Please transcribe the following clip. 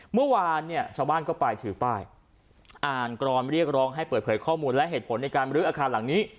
เมื่อวานเนี่ยชาวบ้านก็ไปถือป้ายอ่านกรอนเรียกร้องให้เปิดเผยข้อมูลและเหตุผลในการบรื้ออาคารหลังนี้